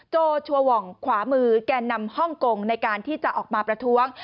โชชัวหว่องขวามือแก่นำฮ่องกงในการที่จะออกมาประท้วง